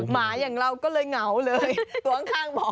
หมาอย่างเราก็เลยเหงาเลยตัวข้างหมอ